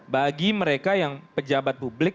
bagi mereka yang pejabat publik